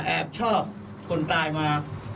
แอบชอบคนตายมา